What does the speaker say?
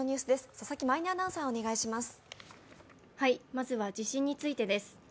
まずは地震についてです。